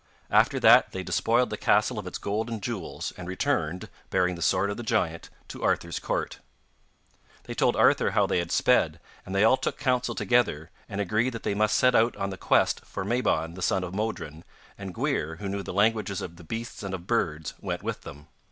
After that they despoiled the castle of its gold and jewels, and returned, bearing the sword of the giant, to Arthur's court. They told Arthur how they had sped, and they all took counsel together, and agreed that they must set out on the quest for Mabon the son of Modron, and Gwrhyr, who knew the languages of beasts and of birds, went with them.